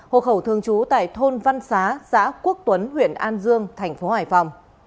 hộ khẩu thường trú tại thôn văn xá xã quốc tuấn huyện an dương thành phố hải phòng